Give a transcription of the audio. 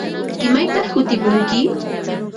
¿Imaytaq kutimunki?